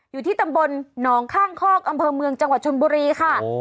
อยู่ที่ตำบลหนองข้างคอกอำเภอเมืองจังหวัดชนบุรีค่ะ